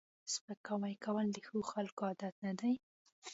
سپکاوی کول د ښو خلکو عادت نه دی